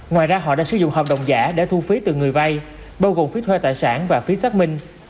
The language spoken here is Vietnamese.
ngoài ra họ đã sử dụng hợp đồng giả để thu phí từ người vay bao gồm phí thuê tài sản và phí xác minh